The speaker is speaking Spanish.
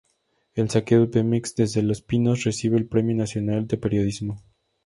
El saqueo de Pemex desde Los Pinos" recibió el Premio Nacional de Periodismo.